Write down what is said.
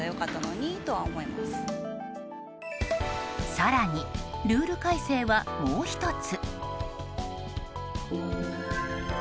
更に、ルール改正はもう１つ。